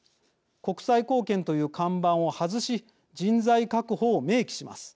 国際貢献という看板を外し人材確保を明記します。